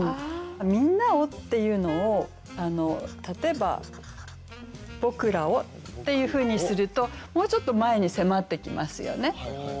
「みんなを」っていうのを例えば「ぼくらを」っていうふうにするともうちょっと前に迫ってきますよね。